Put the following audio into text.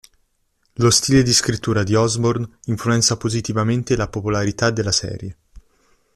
Lo stile di scrittura di Osborne influenza positivamente la popolarità della serie.